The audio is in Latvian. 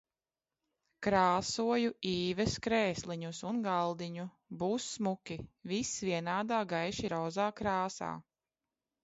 Krāsoju Īves krēsliņus un galdiņu. Būs smuki. Viss vienādā, gaiši rozā krāsā.